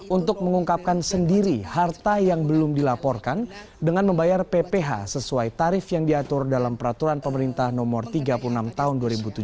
untuk mengungkapkan sendiri harta yang belum dilaporkan dengan membayar pph sesuai tarif yang diatur dalam peraturan pemerintah nomor tiga puluh enam tahun dua ribu tujuh belas